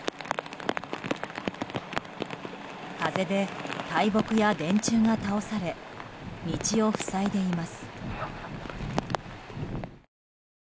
風で大木や電柱が倒され道を塞いでいます。